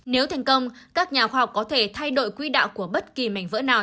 nếu thành công các nhà khoa học có thể thay đổi quy đạo của bất kỳ mảnh vỡ nào